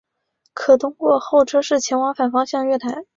可通过候车室前往反方向月台。